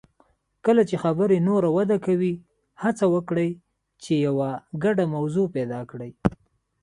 کله چې خبرې نوره وده کوي، هڅه وکړئ چې یو ګډه موضوع پیدا کړئ.